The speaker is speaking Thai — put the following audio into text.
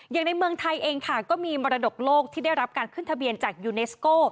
ในเมืองไทยเองค่ะก็มีมรดกโลกที่ได้รับการขึ้นทะเบียนจากยูเนสโก้